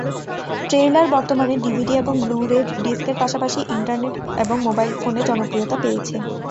Trailer বর্তমানে DVD এবং Blu-ray disc এর পাশাপাশি ইন্টারনেট এবং মোবাইল ফোনে জনপ্রিয়তা পেয়েছে।